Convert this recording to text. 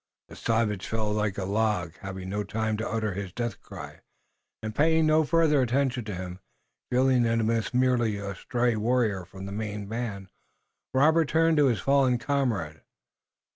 The savage fell like a log, having no time to utter his death cry, and paying no further attention to him, feeling that he must be merely a stray warrior from the main band, Robert turned to his fallen comrade.